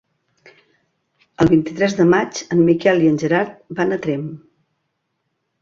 El vint-i-tres de maig en Miquel i en Gerard van a Tremp.